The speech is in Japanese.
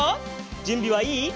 じゅんびはいい？